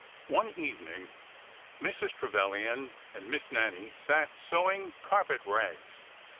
One evening Mrs. Trevilian and Miss Nannie sat sew ing carpet rags.